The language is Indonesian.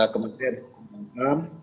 kementerian hukum mengam